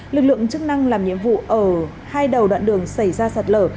lực lượng chức năng làm nhiệm vụ ở hai đầu đoạn đường xảy ra sạt lở